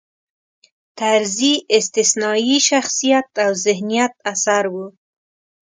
طرزی استثنايي شخصیت او ذهینت اثر و.